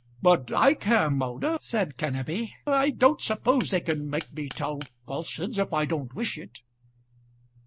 "But I care, Moulder," said Kenneby. "I don't suppose they can make me tell falsehoods if I don't wish it."